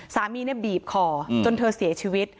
สามีบีบคอจนเธอเสียชีวิต